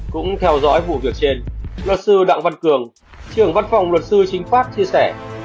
cũng theo dõi vụ việc trên luật sư đặng văn cường trưởng văn phòng luật sư chính pháp chia sẻ